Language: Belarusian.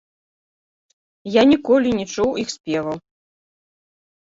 Я ніколі не чуў іх спеваў.